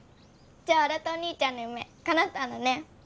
じゃあ新お兄ちゃんの夢かなったんだね。